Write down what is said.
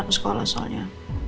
aku sekolah soalnya